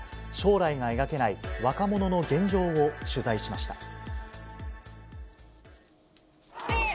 将来が描けない、若者の現状を取材しました。